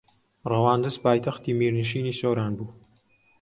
ڕەواندز پایتەختی میرنشینی سۆران بوو